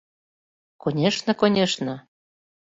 — Конешне, конешне!